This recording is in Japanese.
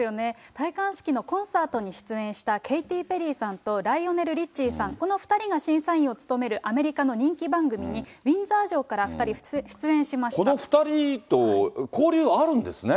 戴冠式のコンサートに出演したケイティ・ペリーさんとライオネル・リッチーさん、この２人が審査員を務めるアメリカの人気番組にウィンザー城から２人、出演しまこの２人と交流あるんですね。